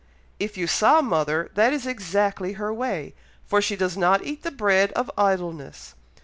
"If you saw mother, that is exactly her way, for she does not eat the bread of idleness.